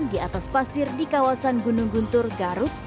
di atas pasir di kawasan gunung guntur garut